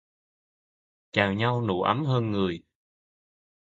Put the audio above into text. Chào nhau nụ ấm hơi người